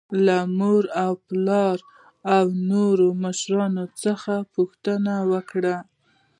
له مور او پلار او نورو مشرانو څخه پوښتنه وکړئ.